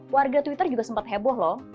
warga twitter juga sempat heboh loh